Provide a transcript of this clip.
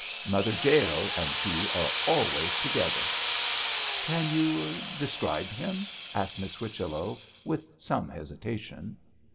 Mother Jael and he are always together.' 'Can you describe him?' asked Miss Whichello, with some hesitation.